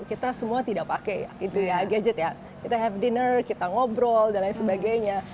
itu kita semua tidak pakai gadget ya kita makan malam kita ngobrol dan lain sebagainya